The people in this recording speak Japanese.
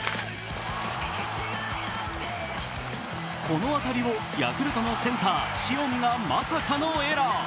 この当たりを、ヤクルトのセンター・塩見がまさかのエラー。